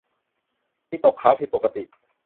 มีตกขาวผิดปกติ